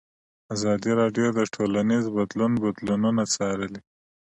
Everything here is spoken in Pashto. ازادي راډیو د ټولنیز بدلون بدلونونه څارلي.